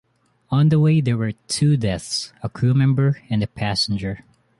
On the way there were two deaths, a crew member and a passenger.